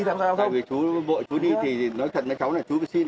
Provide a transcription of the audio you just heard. tại vì chú bội chú đi thì nói thật với cháu là chú xin